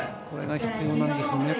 これが必要なんですよね。